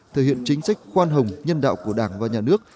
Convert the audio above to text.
thể hiện chính sách khoan hồng nhân đạo của đảng và nhà nước